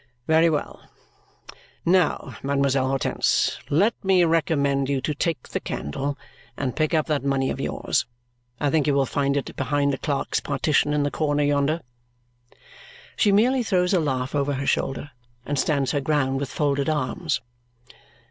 "Very well. Now, Mademoiselle Hortense, let me recommend you to take the candle and pick up that money of yours. I think you will find it behind the clerk's partition in the corner yonder." She merely throws a laugh over her shoulder and stands her ground with folded arms.